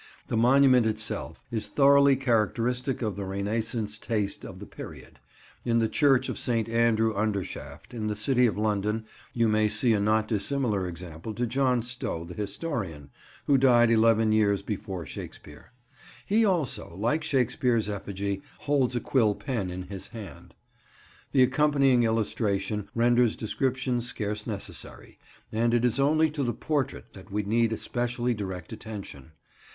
The monument itself is thoroughly characteristic of the Renascence taste of the period: in the church of St. Andrew Undershaft, in the city of London, you may see a not dissimilar example to John Stow, the historian, who died eleven years before Shakespeare. He also, like Shakespeare's effigy, holds a quill pen in his hand. The accompanying illustration renders description scarce necessary, and it is only to the portrait that we need especially direct attention.